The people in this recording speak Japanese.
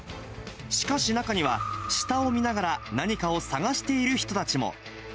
しかし、中には下を見ながら何かを探している人たちも。